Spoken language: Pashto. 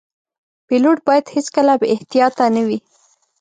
پیلوټ باید هیڅکله بې احتیاطه نه وي.